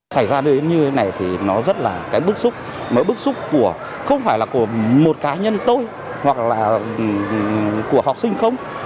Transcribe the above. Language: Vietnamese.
xảy ra như thế này thì nó rất là cái bức xúc mỗi bức xúc của không phải là của một cá nhân tôi hoặc là của học sinh không